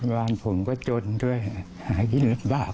วาดผมก็จนด้วยหากินบาป